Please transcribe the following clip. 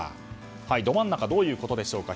ど真ん中とはどういうことでしょうか。